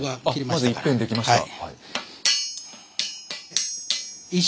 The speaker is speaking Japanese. まず１辺できました。